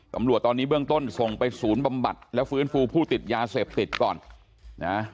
ตำรวจตอนนี้เบื้องต้นส่งไปศูนย์บำบัดและฟื้นฟูผู้ติดยาเสพติดก่อนนะ